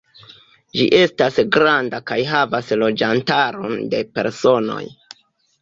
Ĝi estas granda kaj havas loĝantaron de personoj.